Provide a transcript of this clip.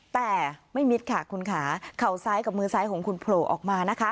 แต่ไม่มิดค่ะคุณค่ะเข่าซ้ายกับมือซ้ายของคุณโผล่ออกมานะคะ